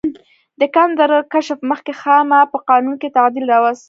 د کان تر کشف مخکې خاما په قانون کې تعدیل راوست.